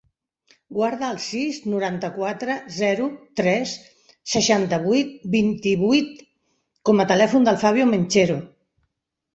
Guarda el sis, noranta-quatre, zero, tres, seixanta-vuit, vint-i-vuit com a telèfon del Fabio Menchero.